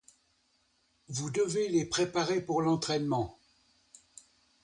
vous devez les préparer pour l'entraînement